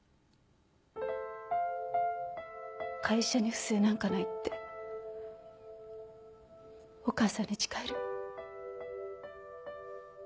会社に不正なんかないってお母さんに誓える？